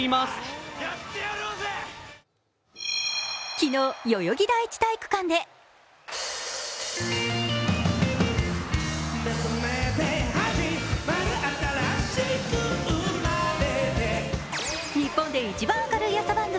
昨日、代々木第一体育館で日本でいちばん明るい朝番組！